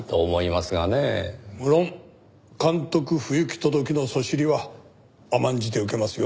無論監督不行き届きのそしりは甘んじて受けますよ。